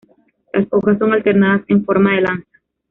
Las hojas son alternadas en forma de lanza.